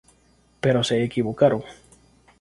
Pero se equivocaron.